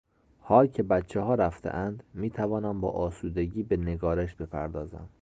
حال که بچهها رفتهاند میتوانم با آسودگی به نگارش بپردازم.